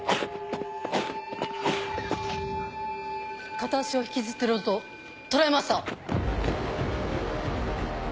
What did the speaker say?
片足を引きずってる音捉えました。